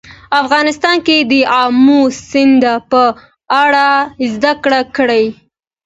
افغانستان کې د آمو سیند په اړه زده کړه کېږي.